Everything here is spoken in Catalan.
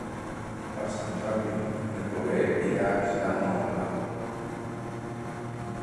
Per Sant Jordi na Chloé irà a visitar mon oncle.